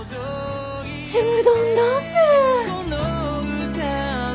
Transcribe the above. ちむどんどんする。